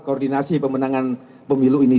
dikorendinasi pemenangan pemenang nobody